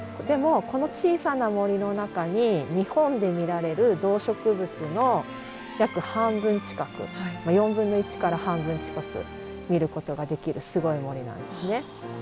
でもこの小さな森の中に日本で見られる動植物の約半分近く４分の１から半分近く見ることができるすごい森なんですね。